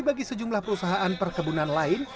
bagi sejumlah perusahaan perkebunan lain